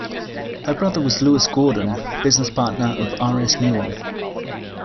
Her brother was Lewis Gordon business partner of R S Newall.